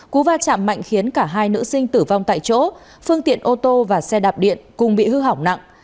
cú va chạm mạnh khiến cả hai nữ sinh tử vong tại chỗ phương tiện ô tô và xe đạp điện cùng bị hư hỏng nặng